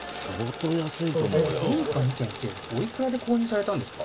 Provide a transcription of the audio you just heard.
古民家２軒っておいくらで購入されたんですか？